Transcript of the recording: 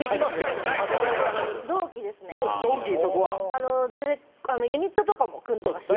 あの全然ユニットとかも組んでました。